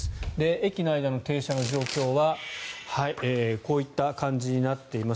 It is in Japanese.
駅の間の停車の状況はこういった感じになっています。